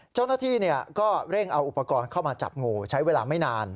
เจ้าหน้าที่ก็เร่งเอาอุปกรณ์เข้ามาจับงูใช้เวลาไม่นาน